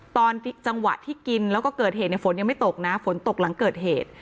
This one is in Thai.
ตอนจังหวะที่กินแล้วก็เกิดเหตุในฝนยังไม่ตกนะฝนตกหลังเกิดเหตุ